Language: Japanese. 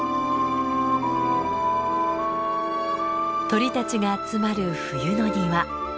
鳥たちが集まる冬の庭。